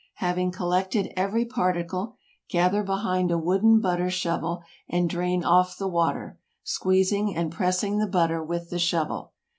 Having collected every particle, gather behind a wooden butter shovel and drain off the water, squeezing and pressing the butter with the shovel.